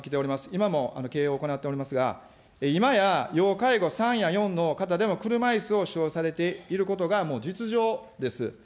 今も経営を行っておりますが、今や、要介護３や４の方でも車いすを使用されていることがもう、実情です。